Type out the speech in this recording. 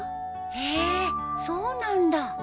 へえーそうなんだ。